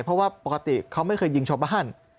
เพราะว่าปกติเขาไม่เคยยิงชาวบ้าน